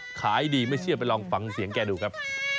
ขายดีไม่เชื่อไปลองฟังเสียงแกดูครับ